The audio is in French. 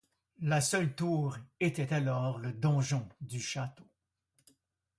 La seule tour était alors le donjon du château.